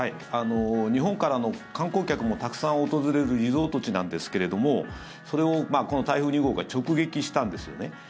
日本からの観光客もたくさん訪れるリゾート地なんですけれどもそれをこの台風２号が直撃したんですよね。